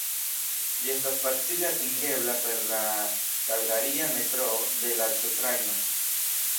Ĝi estas facile atingebla per la kalgaria metroo, la C-Trajno.